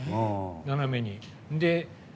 斜めに。